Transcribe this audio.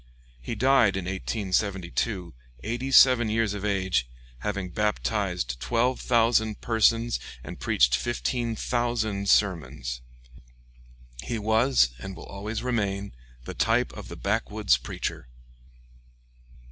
He died in 1872, eighty seven years of age, having baptized twelve thousand persons and preached fifteen thousand sermons. He was, and will always remain, the type of the backwoods preacher.